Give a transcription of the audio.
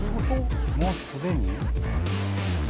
もうすでに？